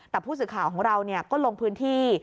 แต่ผู้สื่อข่าวของเราก็ลงพื้นที่